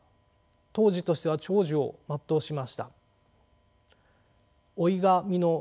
当時としては長寿を全うしました。